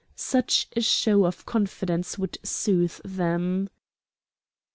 Such a show of confidence would soothe them.